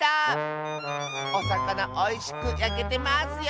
おさかなおいしくやけてますよ。